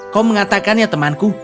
kau mengatakan ya temanku